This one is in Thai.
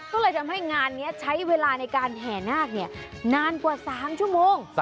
ก็เลยทำให้งานนี้ใช้เวลาในการแห่นาคนานกว่า๓ชั่วโมง